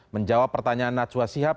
menjawab pertanyaan natwa sihab